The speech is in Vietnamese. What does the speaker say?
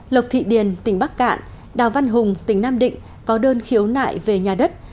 lộc thị điền tỉnh bắc cạn đào văn hùng tỉnh nam định có đơn khiếu nại về nhà đất